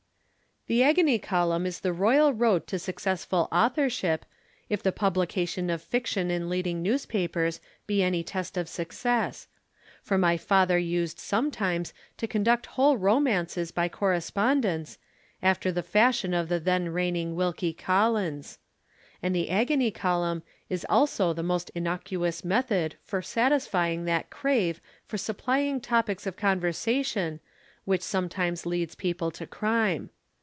"'The agony column is the royal road to successful authorship, if the publication of fiction in leading newspapers be any test of success; for my father used sometimes to conduct whole romances by correspondence, after the fashion of the then reigning Wilkie Collins. And the agony column is also the most innocuous method for satisfying that crave for supplying topics of conversation which sometimes leads people to crime.